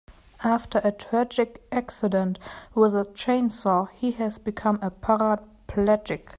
After a tragic accident with a chainsaw he has become a paraplegic.